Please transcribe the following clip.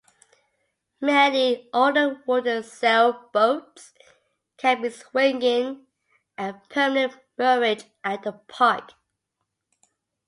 Many older wooden sailboats can be swinging at permanent moorage at the park.